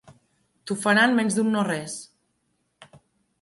T'ho farà en menys d'un no res.